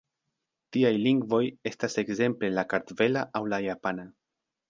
Tiaj lingvoj estas ekzemple la kartvela aŭ la japana.